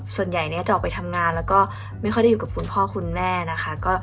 ส่วนใหญ่เนี่ยจะออกไปทำงานแล้วก็ไม่ค่อยได้อยู่กับคุณพ่อคุณแม่นะคะ